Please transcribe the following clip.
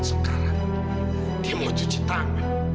sekarang dia mau cuci tangan